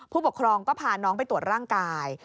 ผู้ปกครองก็พาน้องไปตรวจร่างกาย